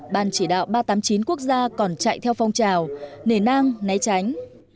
ban chỉ đạo ba trăm tám mươi chín quốc gia còn chạy theo phong trào nề nang né tránh